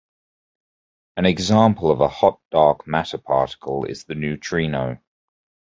An example of a hot dark matter particle is the neutrino.